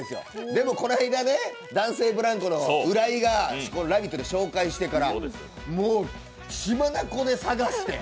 でもこの間男性ブランコの浦井が「ラヴィット！」で紹介してからもう、血眼で探して！